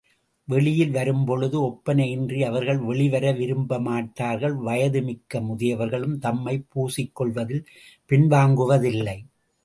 வெளியில் வரும்பொழுது ஒப்பனை இன்றி அவர்கள் வெளிவர விரும்பமாட்டார்கள், வயது மிக்க முதியவர்களும் தம்மைப் பூசிக்கொள்வதில் பின் வாங்குவதில்லை.